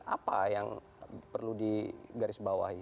apa yang perlu digarisbawahi